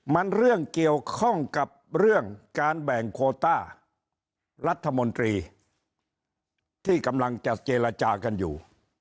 มันเรื่องเกี่ยวข้องกับเรื่องการแบ่งโคต้ารัฐมนตรีที่กำลังจะเจรจากันอยู่